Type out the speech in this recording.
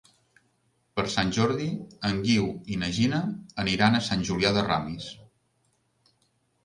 Per Sant Jordi en Guiu i na Gina aniran a Sant Julià de Ramis.